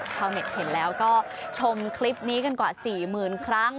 ชาวเน็ตเห็นแล้วก็ชมคลิปนี้กันกว่า๔๐๐๐ครั้ง